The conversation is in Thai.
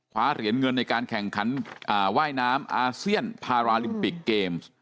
เหรียญเงินในการแข่งขันว่ายน้ำอาเซียนพาราลิมปิกเกมส์